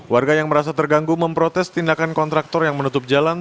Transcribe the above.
warga yang merasa terganggu memprotes tindakan kontraktor yang menutup jalan